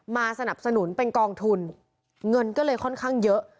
สนับสนุนเป็นกองทุนเงินก็เลยค่อนข้างเยอะ